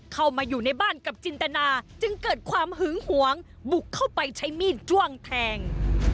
เข้ามาอยู่ในบ้านกับจินตนาจึงเกิดความหึงหวงบุกเข้าไปใช้มีดจ้วงแทง